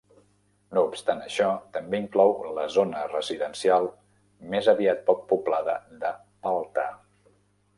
No obstant això, també inclou la zona residencial més aviat poc poblada de Paltta.